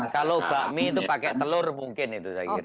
kalau bakmi itu pakai telur mungkin itu